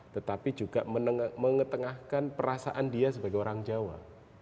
tetapi juga mengetengahkan perasaan dia sebagai orang jawa